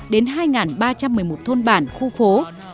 đến hai ba trăm một mươi một thôn bản khu phố